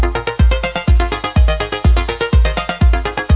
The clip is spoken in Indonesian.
tam berbaloi banget gue